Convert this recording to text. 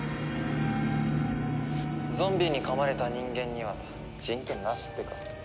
ゾンビに噛まれた人間には人権なしってか。